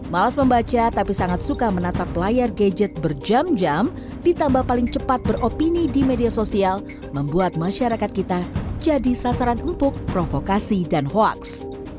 malas membaca tapi sangat suka menatap layar gadget berjam jam ditambah paling cepat beropini di media sosial membuat masyarakat kita jadi sasaran empuk provokasi dan hoaks